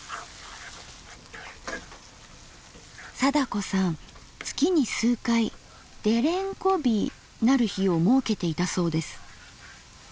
貞子さん月に数回「デレンコ日」なる日を設けていたそうです。